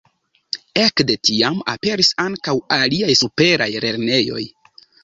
Ekde tiam aperis ankaŭ aliaj superaj lernejoj.